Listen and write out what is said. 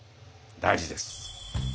大事です。